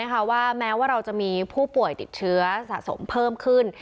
ว่าแม้ว่าเราจะมีผู้ป่วยติดเชื้อสะสมเพิ่มขึ้น